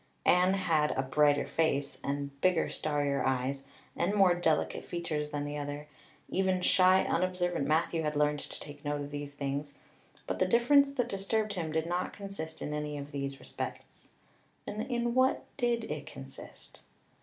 Anne had a brighter face, and bigger, starrier eyes, and more delicate features than the other; even shy, unobservant Matthew had learned to take note of these things; but the difference that disturbed him did not consist in any of these respects. Then in what did it consist?